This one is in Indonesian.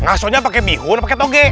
ngasonya pakai bihun pakai toge